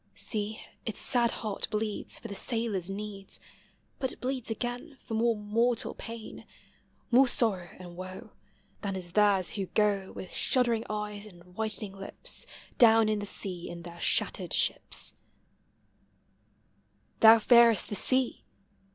See, its sad heart bleeds For the sailor's needs; But it bleeds again For more mortal pain, More sorrow and woe. Than is theirs who go With shuddering eyes and whitening lips Down in the sea in their shattered ships. 426 POEMS OF NATURE. Thou fearest the sea?